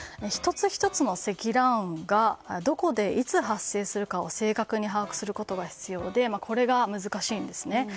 １つ１つの積乱雲がどこで、いつ発生するかを正確に把握することが必要でこれが難しいんですね。